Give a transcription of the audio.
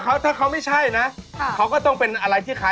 เขาต้องได้อะไรสิ่งนี้ค่ะ